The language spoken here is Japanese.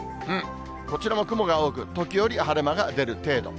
こちらも雲が多く、時折晴れ間が出る程度。